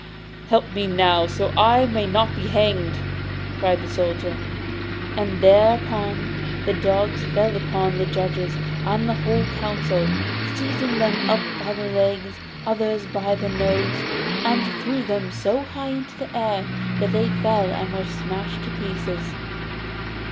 'Help me now, so that I may not be hanged!' cried the Soldier. And thereupon the dogs fell upon the judges and the whole council, seized some by the legs, others by the nose, and threw them so high into the air that they fell and were smashed into pieces.